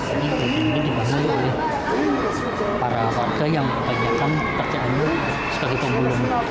ini mungkin dibangun oleh para warga yang kebanyakan pekerjaannya sebagai pemulung